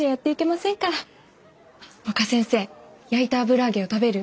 若先生焼いた油揚げを食べる？